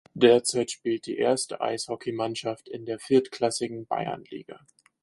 Derzeit spielt die erste Eishockeymannschaft in der viertklassigen Bayernliga.